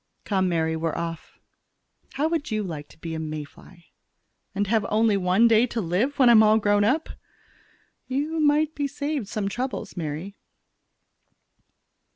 "Come, Mary, we're off. How would you like to be a May fly?" "And have only one day to live when I'm all grown up?" "You might be saved some troubles, Mary."